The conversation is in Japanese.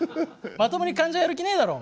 まともに患者やる気ねえだろう！